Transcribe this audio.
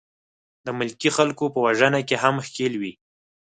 د ملکي خلکو په وژنه کې هم ښکېل وې.